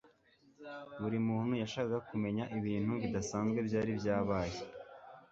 Buri muntu yashakaga kumenya ibintu bidasanzwe byari byabaye.